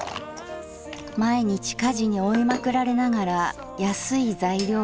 毎日家事に追いまくられながら安い材料をやりくりして。